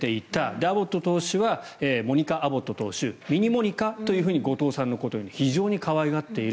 アボット投手はモニカ・アボット投手ミニモニカと後藤さんのことを呼んで非常に可愛がっている。